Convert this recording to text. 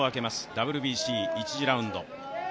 ＷＢＣ１次ラウンド。